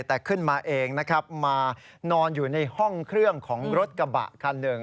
แต่ขึ้นมาเองนะครับมานอนอยู่ในห้องเครื่องของรถกระบะคันหนึ่ง